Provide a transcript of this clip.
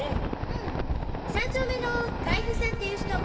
うん３丁目の海部さんっていう人。